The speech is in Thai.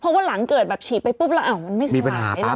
เพราะว่าหลังเกิดแบบฉีดไปปุ๊บมันไม่สลาย